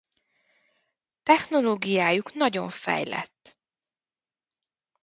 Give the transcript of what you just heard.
Technológiájuk nagyon fejlett.